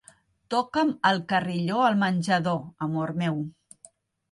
Toca'm el carilló al menjador, amor meu.